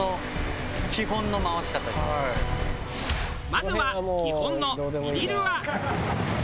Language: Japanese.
まずは基本のヴィリルア。